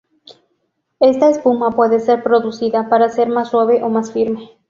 Esta espuma puede ser producida para ser más suave o más firme.